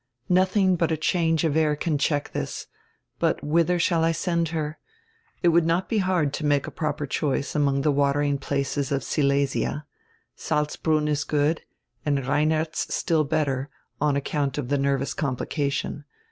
Nothing but a change of air can check this. But whither shall I send her? It would not be hard to make a proper choice among die watering places of Silesia. Salzbrunn is good, and Reinerz still better, on account of die nervous complication.